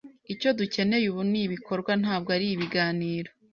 Icyo dukeneye ubu ni ibikorwa, ntabwo ari ibiganiro.